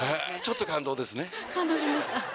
感動しました。